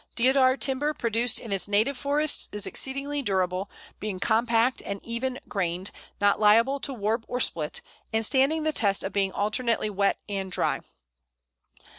Deodar timber produced in its native forests is exceedingly durable, being compact and even grained, not liable to warp or split, and standing the test of being alternately wet and dry.